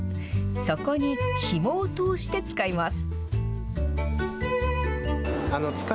そこにひもを通して使います。